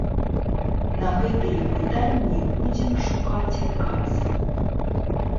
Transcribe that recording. На гэтыя пытанні будзем шукаць адказы.